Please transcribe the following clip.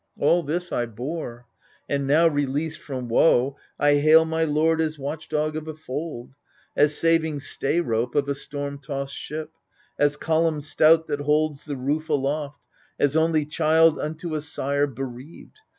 All this I bore, and now, released from woe, I hail my lord as watchndog of a fold. As' saving stay rope of a storm tossed ship, As column stout that holds the roof aloft, As only child unto a sire bereaved.